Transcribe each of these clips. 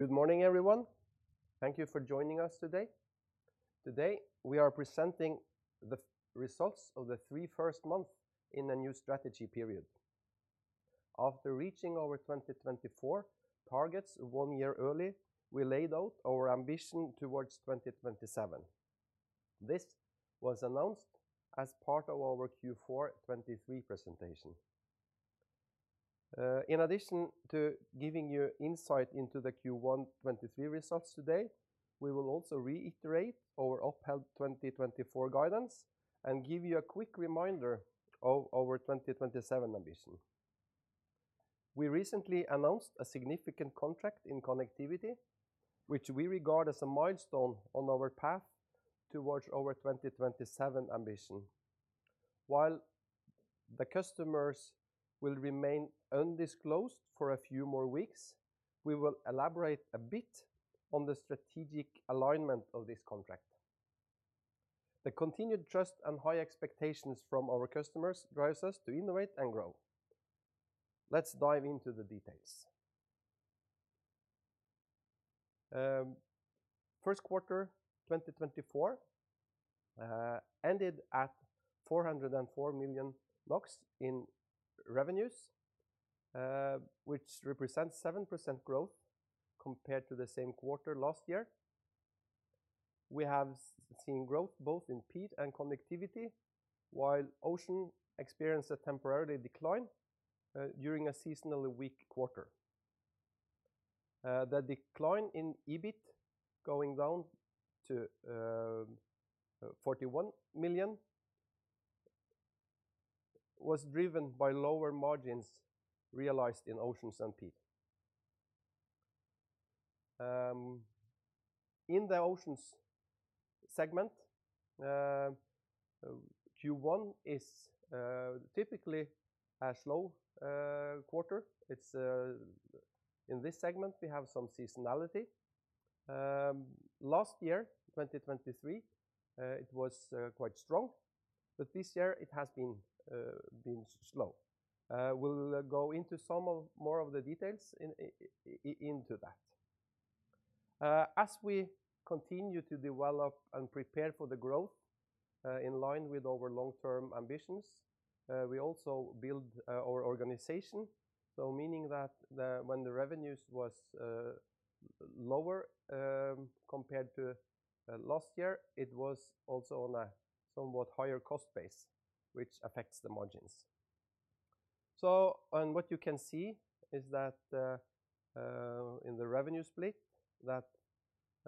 Good morning, everyone. Thank you for joining us today. Today we are presenting the results of the three first months in a new strategy period. After reaching our 2024 targets one year early, we laid out our ambition towards 2027. This was announced as part of our Q4 2023 presentation. In addition to giving you insight into the Q1 2023 results today, we will also reiterate our upheld 2024 guidance and give you a quick reminder of our 2027 ambition. We recently announced a significant contract in connectivity, which we regard as a milestone on our path towards our 2027 ambition. While the customers will remain undisclosed for a few more weeks, we will elaborate a bit on the strategic alignment of this contract. The continued trust and high expectations from our customers drive us to innovate and grow. Let's dive into the details. First quarter 2024 ended at 404 million in revenues, which represents 7% growth compared to the same quarter last year. We have seen growth both in PIR and connectivity, while Oceans experienced a temporary decline during a seasonally weak quarter. The decline in EBIT, going down to 41 million, was driven by lower margins realized in Oceans and PIR. In the Oceans segment, Q1 is typically a slow quarter. In this segment, we have some seasonality. Last year, 2023, it was quite strong, but this year it has been slow. We'll go into some more of the details into that. As we continue to develop and prepare for the growth in line with our long-term ambitions, we also build our organization, meaning that when the revenues were lower compared to last year, it was also on a somewhat higher cost base, which affects the margins. What you can see is that in the revenue split,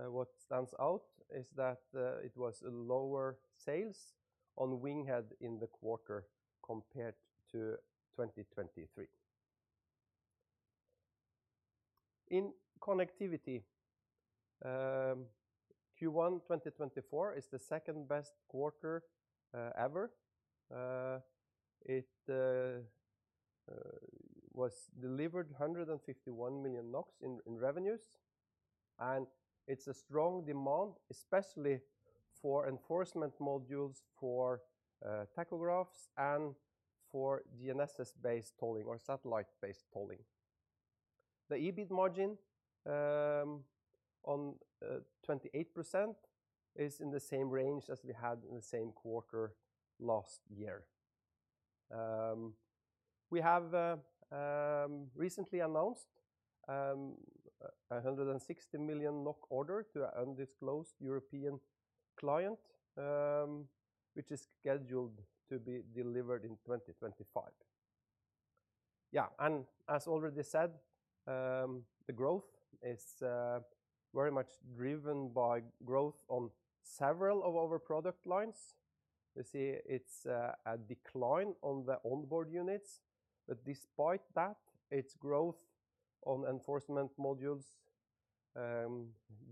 what stands out is that it was lower sales on WINGHEAD in the quarter compared to 2023. In connectivity, Q1 2024 is the second best quarter ever. It delivered 151 million NOK in revenues, and it's a strong demand, especially for enforcement modules for tachographs and for GNSS-based tolling or satellite-based tolling. The EBIT margin on 28% is in the same range as we had in the same quarter last year. We have recently announced a 160 million NOK order to an undisclosed European client, which is scheduled to be delivered in 2025. As already said, the growth is very much driven by growth on several of our product lines. You see it's a decline on the onboard units, but despite that, it's growth on enforcement modules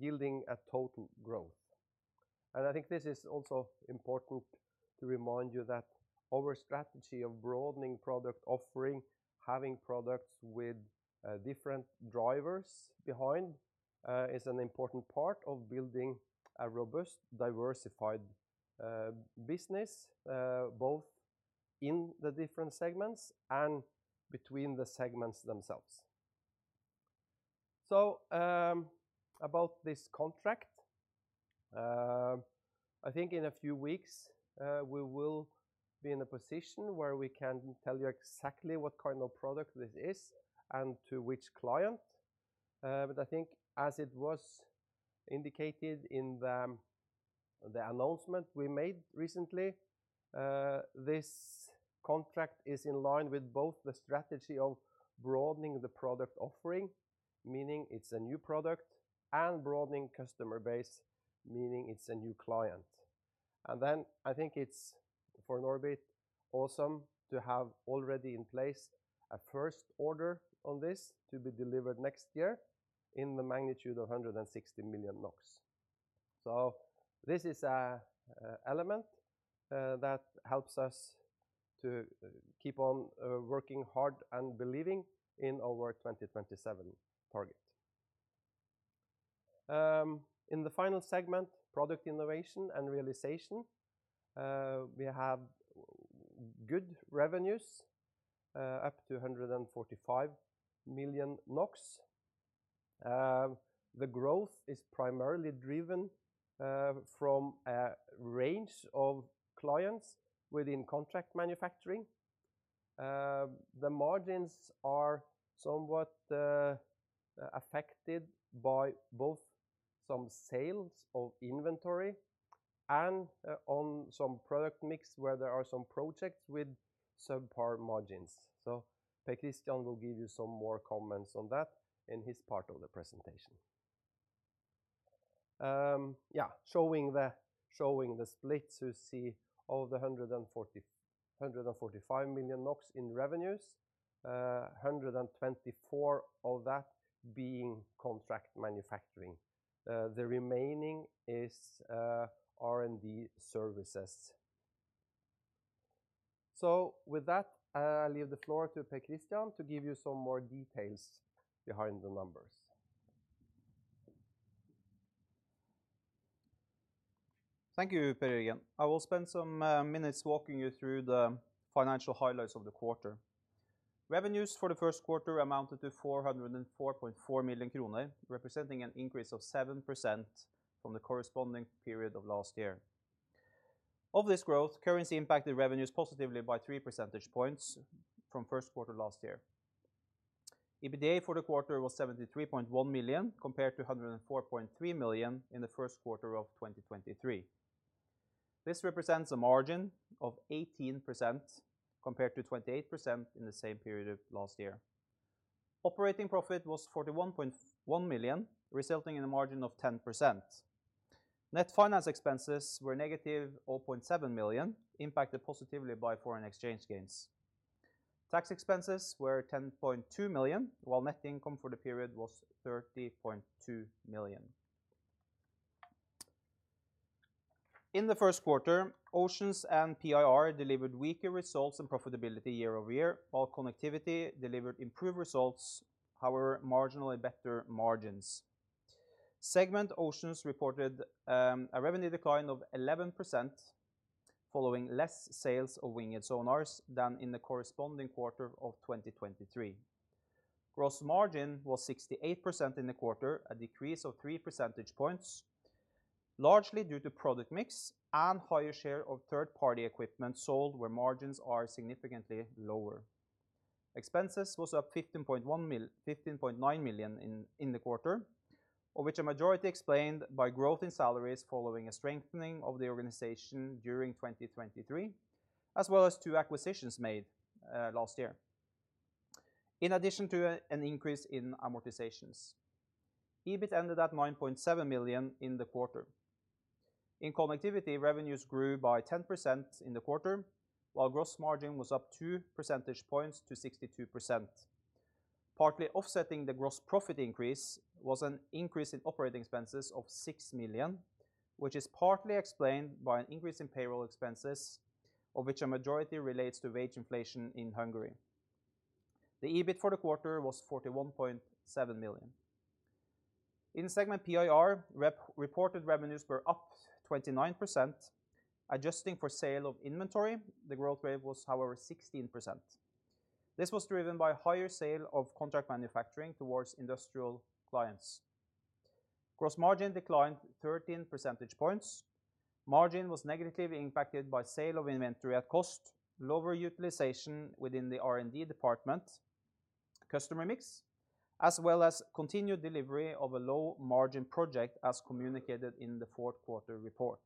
yielding a total growth. I think this is also important to remind you that our strategy of broadening product offering, having products with different drivers behind, is an important part of building a robust, diversified business, both in the different segments and between the segments themselves. About this contract, I think in a few weeks we will be in a position where we can tell you exactly what kind of product this is and to which client. But I think, as it was indicated in the announcement we made recently, this contract is in line with both the strategy of broadening the product offering, meaning it's a new product, and broadening customer base, meaning it's a new client. Then, I think it's for Norbit awesome to have already in place a first order on this to be delivered next year in the magnitude of 160 million NOK. This is an element that helps us to keep on working hard and believing in our 2027 target. In the final segment, product innovation and realization, we have good revenues up to 145 million NOK. The growth is primarily driven from a range of clients within contract manufacturing. The margins are somewhat affected by both some sales of inventory and on some product mix where there are some projects with subpar margins. Per Kristian will give you some more comments on that in his part of the presentation. Showing the splits, you see of the 145 million NOK in revenues, 124 of that being contract manufacturing. The remaining is R&D services. With that, I leave the floor to Per Kristian to give you some more details behind the numbers. Thank you, Per Jørgen. I will spend some minutes walking you through the financial highlights of the quarter. Revenues for the first quarter amounted to 404.4 million kroner, representing an increase of 7% from the corresponding period of last year. Of this growth, currency impacted revenues positively by three percentage points from first quarter last year. EBITDA for the quarter was 73.1 million compared to 104.3 million in the first quarter of 2023. This represents a margin of 18% compared to 28% in the same period of last year. Operating profit was 41.1 million, resulting in a margin of 10%. Net finance expenses were -0.7 million, impacted positively by foreign exchange gains. Tax expenses were 10.2 million, while net income for the period was 30.2 million. In the first quarter, Oceans and PIR delivered weaker results in profitability year-over-year, while Connectivity delivered improved results, however, marginally better margins. Oceans segment reported a revenue decline of 11% following less sales of WINGHEAD sonars than in the corresponding quarter of 2023. Gross margin was 68% in the quarter, a decrease of three percentage points, largely due to product mix and higher share of third-party equipment sold where margins are significantly lower. Expenses were up 15.9 million in the quarter, of which a majority explained by growth in salaries following a strengthening of the organization during 2023, as well as two acquisitions made last year, in addition to an increase in amortizations. EBIT ended at 9.7 million in the quarter. In Connectivity, revenues grew by 10% in the quarter, while gross margin was up two percentage points to 62%. Partly offsetting the gross profit increase was an increase in operating expenses of 6 million, which is partly explained by an increase in payroll expenses, of which a majority relates to wage inflation in Hungary. The EBIT for the quarter was 41.7 million. In segment PIR, reported revenues were up 29%, adjusting for sale of inventory. The growth rate was, however, 16%. This was driven by higher sale of contract manufacturing towards industrial clients. Gross margin declined 13 percentage points. Margin was negatively impacted by sale of inventory at cost, lower utilization within the R&D department, customer mix, as well as continued delivery of a low margin project as communicated in the fourth quarter report.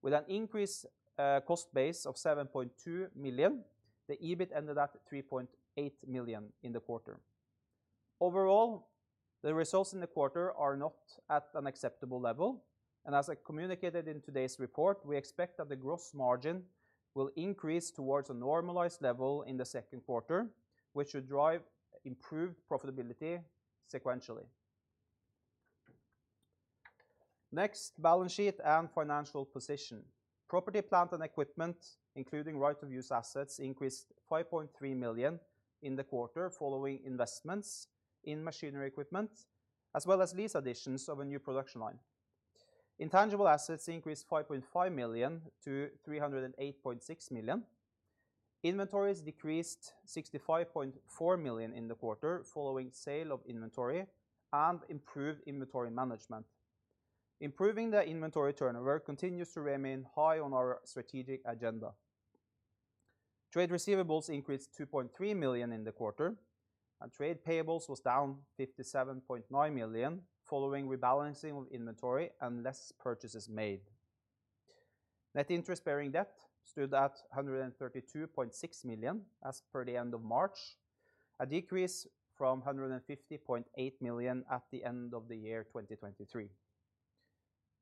With an increased cost base of 7.2 million, the EBIT ended at 3.8 million in the quarter. Overall, the results in the quarter are not at an acceptable level, and as I communicated in today's report, we expect that the gross margin will increase towards a normalized level in the second quarter, which should drive improved profitability sequentially. Next, balance sheet and financial position. Property, plant, and equipment, including right-of-use assets, increased 5.3 million in the quarter following investments in machinery equipment, as well as lease additions of a new production line. Intangible assets increased 5.5 million to 308.6 million. Inventories decreased 65.4 million in the quarter following sale of inventory and improved inventory management. Improving the inventory turnover continues to remain high on our strategic agenda. Trade receivables increased 2.3 million in the quarter, and trade payables were down 57.9 million following rebalancing of inventory and less purchases made. Net interest bearing debt stood at 132.6 million as per the end of March, a decrease from 150.8 million at the end of the year 2023.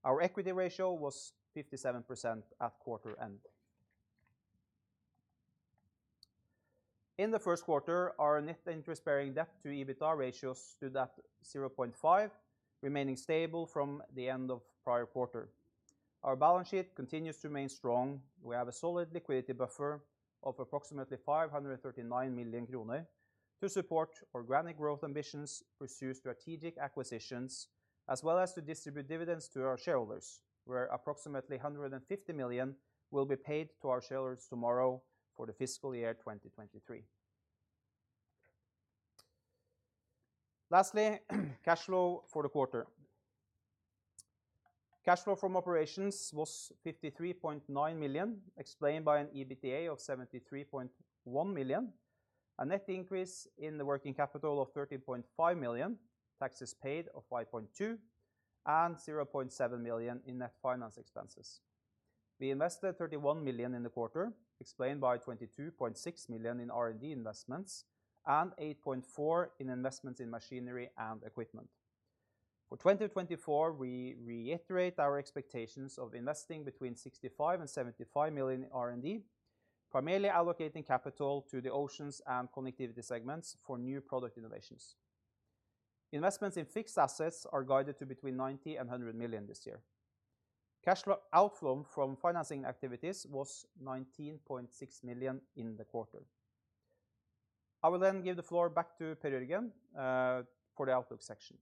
Our equity ratio was 57% at quarter end. In the first quarter, our net interest bearing debt to EBITDA ratio stood at 0.5, remaining stable from the end of prior quarter. Our balance sheet continues to remain strong. We have a solid liquidity buffer of approximately 539 million kroner to support our organic growth ambitions, pursue strategic acquisitions, as well as to distribute dividends to our shareholders, where approximately 150 million will be paid to our shareholders tomorrow for the fiscal year 2023. Lastly, cash flow for the quarter. Cash flow from operations was 53.9 million, explained by an EBITDA of 73.1 million, a net increase in the working capital of 13.5 million, taxes paid of 5.2 million, and 0.7 million in net finance expenses. We invested 31 million in the quarter, explained by 22.6 million in R&D investments and 8.4 million in investments in machinery and equipment. For 2024, we reiterate our expectations of investing between 65 million and 75 million in R&D, primarily allocating capital to the oceans and connectivity segments for new product innovations. Investments in fixed assets are guided to between 90 million and 100 million this year. Cash flow outflow from financing activities was 19.6 million in the quarter. I will then give the floor back to Per Jørgen for the Outlook section.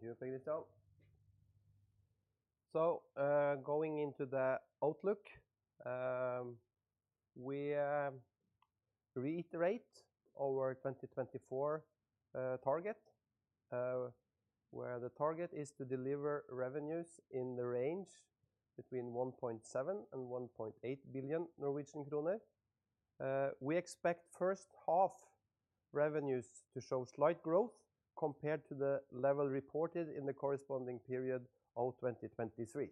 Thank you, Per Kristian. Going into the Outlook, we reiterate our 2024 target, where the target is to deliver revenues in the range between 1.7 billion and 1.8 billion Norwegian kroner. We expect first half revenues to show slight growth compared to the level reported in the corresponding period of 2023.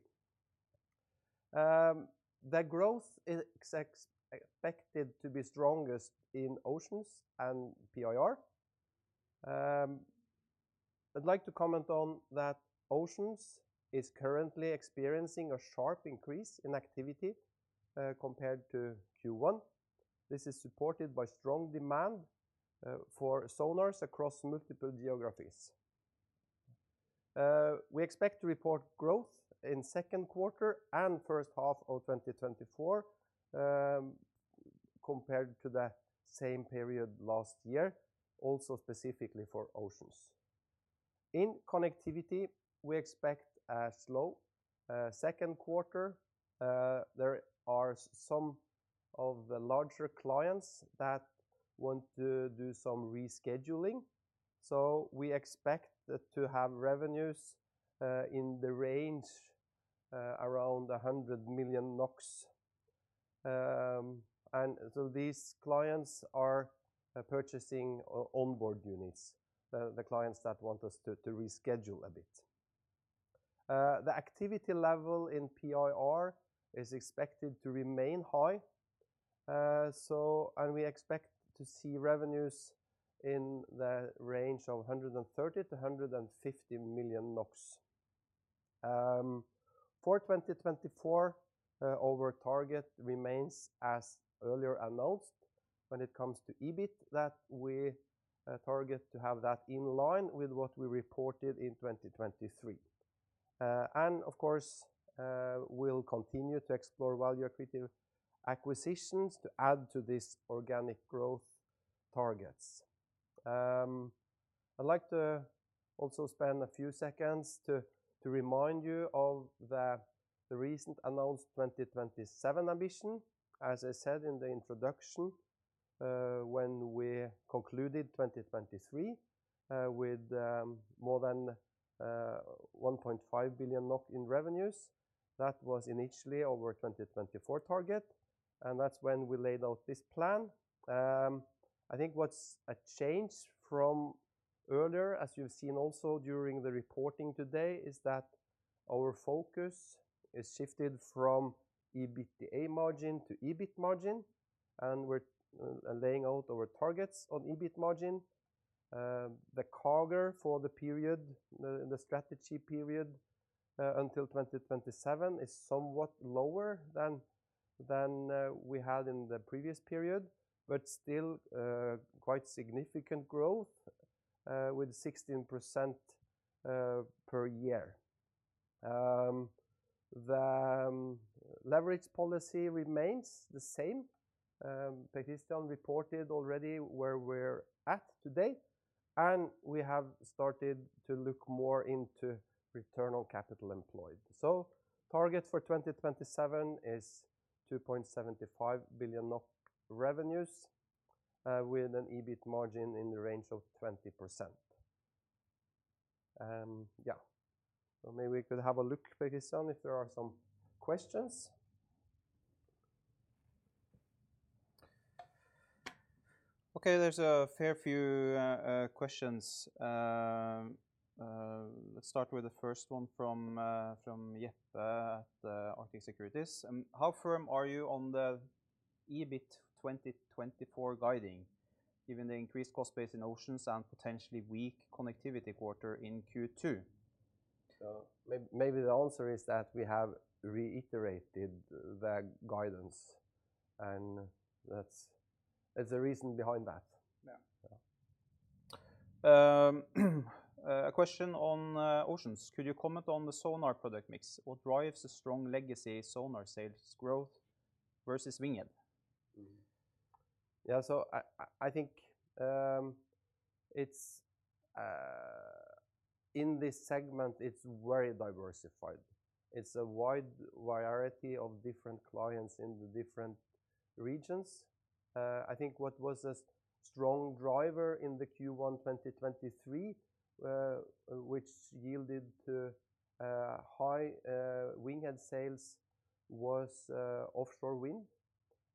The growth is expected to be strongest in oceans and PIR. I'd like to comment on that oceans are currently experiencing a sharp increase in activity compared to Q1. This is supported by strong demand for sonars across multiple geographies. We expect to report growth in second quarter and first half of 2024 compared to the same period last year, also specifically for oceans. In connectivity, we expect a slow second quarter. There are some of the larger clients that want to do some rescheduling, so we expect to have revenues in the range around 100 million NOK. These clients are purchasing onboard units, the clients that want us to reschedule a bit. The activity level in PIR is expected to remain high, and we expect to see revenues in the range of 130 million-150 million NOK. For 2024, our target remains as earlier announced when it comes to EBIT, that we target to have that in line with what we reported in 2023. Of course, we'll continue to explore value equity acquisitions to add to these organic growth targets. I'd like to also spend a few seconds to remind you of the recent announced 2027 ambition. As I said in the introduction, when we concluded 2023 with more than 1.5 billion NOK in revenues, that was initially our 2024 target, and that's when we laid out this plan. I think what's a change from earlier, as you've seen also during the reporting today, is that our focus is shifted from EBITDA margin to EBIT margin, and we're laying out our targets on EBIT margin. The CAGR for the period, the strategy period until 2027, is somewhat lower than we had in the previous period, but still quite significant growth with 16% per year. The leverage policy remains the same. Per Kristian reported already where we're at today, and we have started to look more into return on capital employed. Target for 2027 is 2.75 billion revenues with an EBIT margin in the range of 20%. Maybe we could have a look, Per Kristian, if there are some questions. Okay, there's a fair few questions. Let's start with the first one from Jeppe at Arctic Securities. How firm are you on the EBIT 2024 guidance, given the increased cost base in oceans and potentially weak connectivity quarter in Q2? Maybe the answer is that we have reiterated the guidance, and that's the reason behind that. A question on oceans. Could you comment on the sonar product mix? What drives a strong legacy sonar sales growth versus WINGHEAD? I think in this segment, it's very diversified. It's a wide variety of different clients in the different regions. I think what was a strong driver in the Q1 2023, which yielded high Winghead sales, was offshore wind,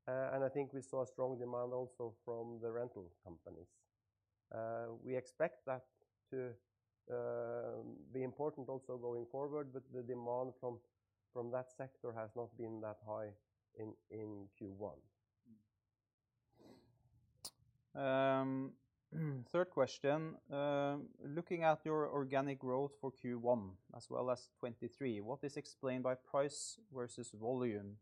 and I think we saw a strong demand also from the rental companies. We expect that to be important also going forward, but the demand from that sector has not been that high in Q1. Third question. Looking at your organic growth for Q1 as well as 2023, what is explained by price versus volume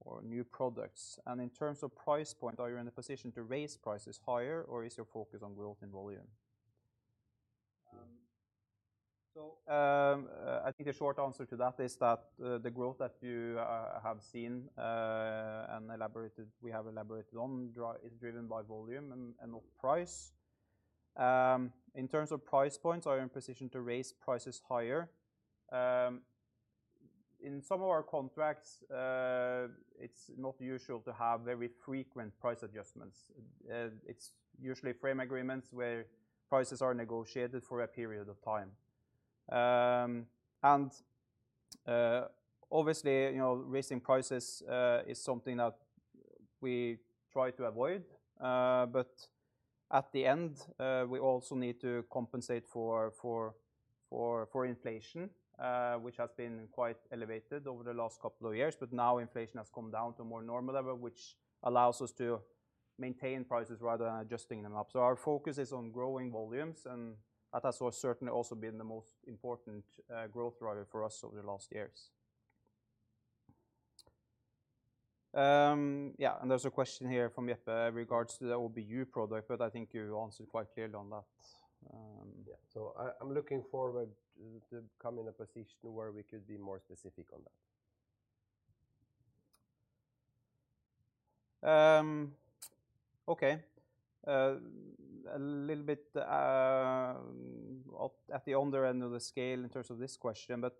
or new products? In terms of price point, are you in a position to raise prices higher, or is your focus on growth in volume? I think the short answer to that is that the growth that you have seen and we have elaborated on is driven by volume and not price. In terms of price points, are you in a position to raise prices higher? In some of our contracts, it's not usual to have very frequent price adjustments. It's usually frame agreements where prices are negotiated for a period of time. Obviously, raising prices is something that we try to avoid, but at the end, we also need to compensate for inflation, which has been quite elevated over the last couple of years, but now inflation has come down to a more normal level, which allows us to maintain prices rather than adjusting them up. Our focus is on growing volumes, and that has certainly also been the most important growth driver for us over the last years. There's a question here from Jeppe regards to the OBU product, but I think you answered quite clearly on that. I'm looking forward to coming in a position where we could be more specific on that. A little bit at the under end of the scale in terms of this question, but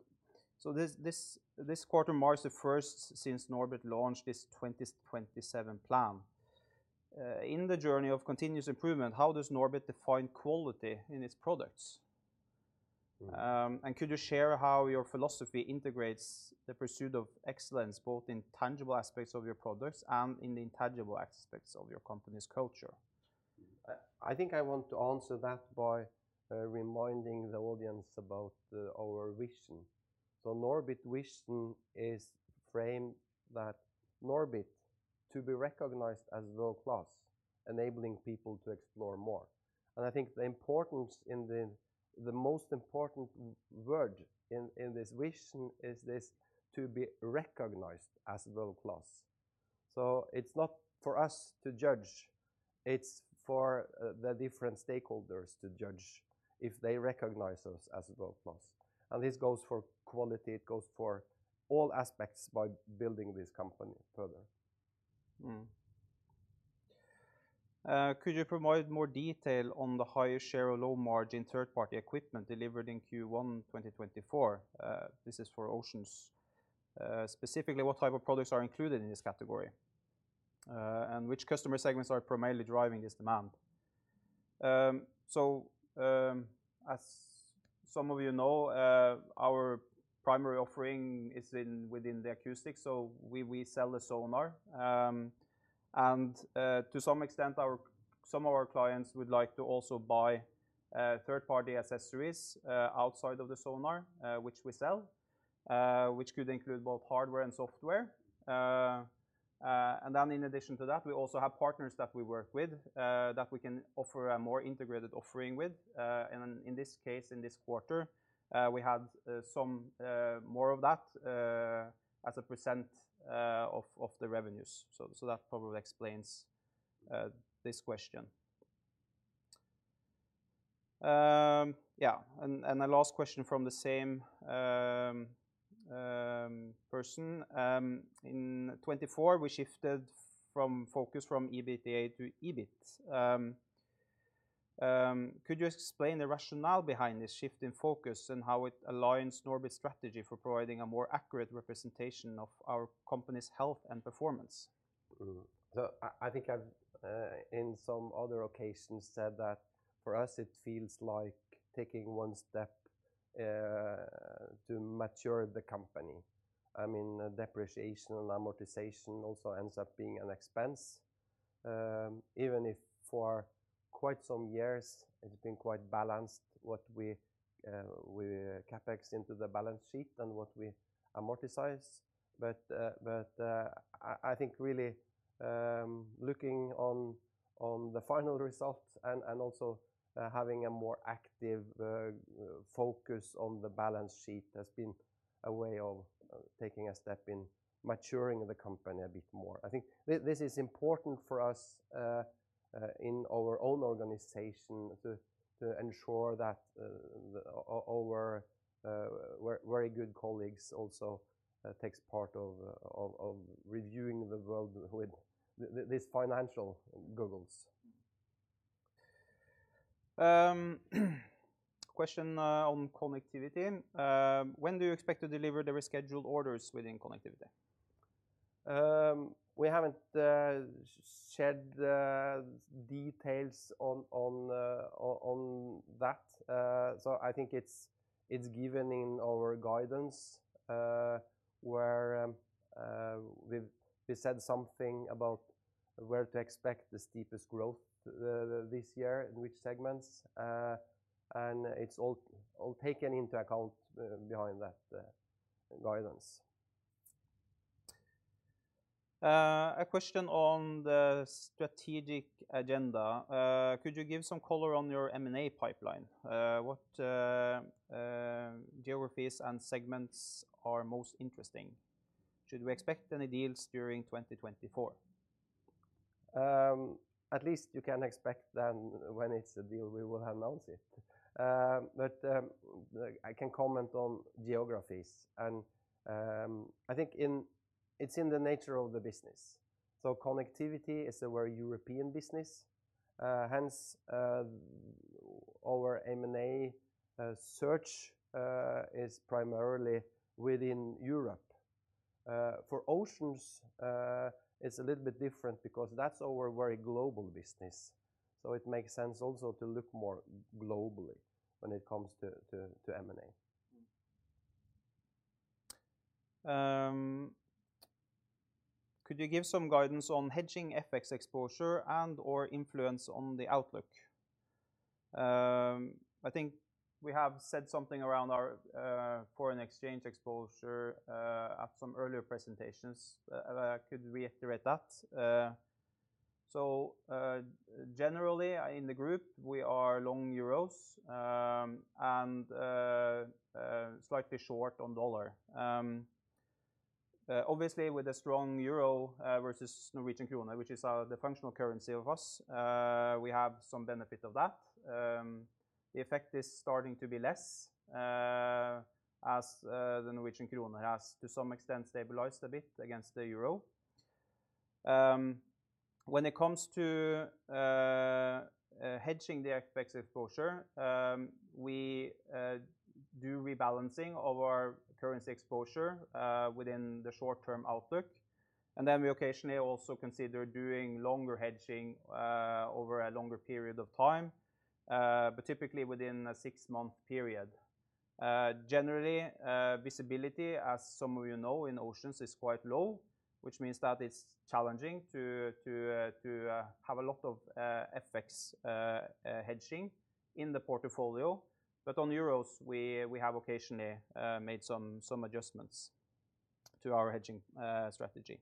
this quarter marks the first since Norbit launched this 2027 plan. In the journey of continuous improvement, how does Norbit define quality in its products? Could you share how your philosophy integrates the pursuit of excellence both in tangible aspects of your products and in the intangible aspects of your company's culture? I think I want to answer that by reminding the audience about our vision. Norbit vision is framed that Norbit to be recognized as world-class, enabling people to explore more. I think the most important word in this vision is this to be recognized as world-class. It's not for us to judge, it's for the different stakeholders to judge if they recognize us as world-class. This goes for quality. It goes for all aspects by building this company further. Could you provide more detail on the higher share or low margin third-party equipment delivered in Q1 2024? This is for oceans. Specifically, what type of products are included in this category? Which customer segments are primarily driving this demand? As some of you know, our primary offering is within the acoustics, so we sell the sonar. To some extent, some of our clients would like to also buy third-party accessories outside of the sonar, which we sell, which could include both hardware and software. Then, in addition to that, we also have partners that we work with that we can offer a more integrated offering with. In this case, in this quarter, we had some more of that as a percent of the revenues. That probably explains this question. Yeah, and a last question from the same person. In 2024, we shifted from focus from EBITDA to EBIT. Could you explain the rationale behind this shift in focus and how it aligns Norbit's strategy for providing a more accurate representation of our company's health and performance? I think I've, in some other occasions, said that for us, it feels like taking one step to mature the company. Depreciation and amortization also ends up being an expense, even if for quite some years it's been quite balanced what we CapEx into the balance sheet and what we amortize. I think really looking on the final results and also having a more active focus on the balance sheet has been a way of taking a step in maturing the company a bit more. I think this is important for us in our own organization to ensure that our very good colleagues also take part of reviewing the world with these financial goggles. Question on connectivity. When do you expect to deliver the rescheduled orders within connectivity? We haven't shared details on that, so I think it's given in our guidance where we said something about where to expect the steepest growth this year in which segments, and it's all taken into account behind that guidance. A question on the strategic agenda. Could you give some color on your M&A pipeline? What geographies and segments are most interesting? Should we expect any deals during 2024? At least you can expect then when it's a deal we will announce it. I can comment on geographies. I think it's in the nature of the business. Connectivity is a very European business, hence our M&A search is primarily within Europe. For oceans, it's a little bit different because that's our very global business, so it makes sense also to look more globally when it comes to M&A. Could you give some guidance on hedging FX exposure and/or influence on the outlook? I think we have said something around our foreign exchange exposure at some earlier presentations. Could you reiterate that? Generally, in the group, we are long euros and slightly short on dollar. Obviously, with a strong euro versus Norwegian krone, which is the functional currency of us, we have some benefit of that. The effect is starting to be less as the Norwegian krone has, to some extent, stabilized a bit against the euro. When it comes to hedging the FX exposure, we do rebalancing of our currency exposure within the short-term outlook, and then we occasionally also consider doing longer hedging over a longer period of time, but typically within a six-month period. Generally, visibility, as some of you know, in oceans is quite low, which means that it's challenging to have a lot of FX hedging in the portfolio, but on euros, we have occasionally made some adjustments to our hedging strategy.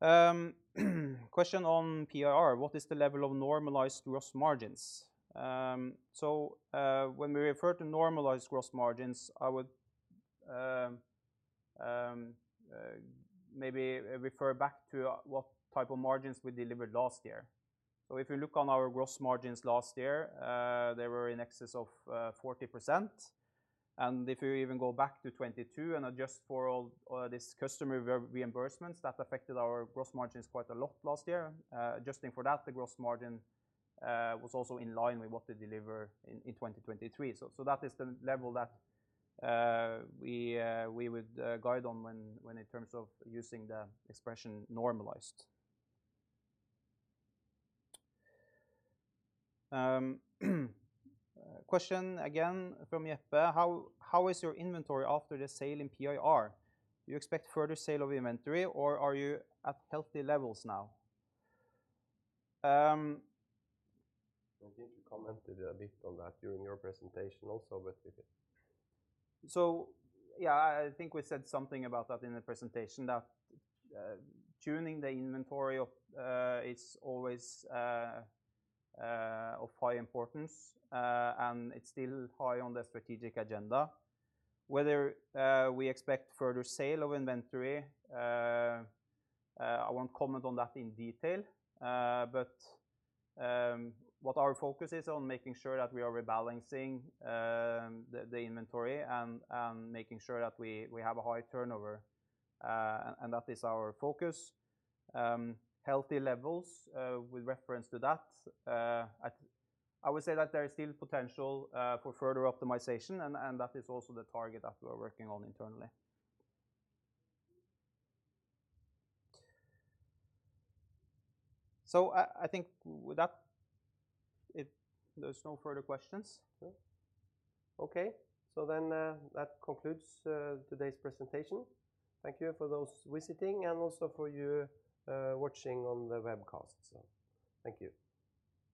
Question on PIR. What is the level of normalized gross margins? When we refer to normalized gross margins, I would maybe refer back to what type of margins we delivered last year. If you look on our gross margins last year, they were in excess of 40%. If you even go back to 2022 and adjust for all these customer reimbursements, that affected our gross margins quite a lot last year. Adjusting for that, the gross margin was also in line with what they deliver in 2023. That is the level that we would guide on when in terms of using the expression normalized. Question again from Jeppe. How is your inventory after the sale in PIR? Do you expect further sale of inventory, or are you at healthy levels now? I think you commented a bit on that during your presentation also, but. I think we said something about that in the presentation, that tuning the inventory is always of high importance, and it's still high on the strategic agenda. Whether we expect further sale of inventory, I won't comment on that in detail, but what our focus is on is making sure that we are rebalancing the inventory and making sure that we have a high turnover, and that is our focus. Healthy levels with reference to that. I would say that there is still potential for further optimization, and that is also the target that we're working on internally. I think with that, there's no further questions. Then that concludes today's presentation. Thank you for those visiting and also for you watching on the webcast. Thank you.